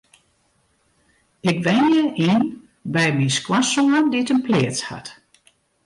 Ik wenje yn by my skoansoan dy't in pleats hat.